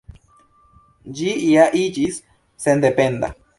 Ĝi ja iĝis sendependa.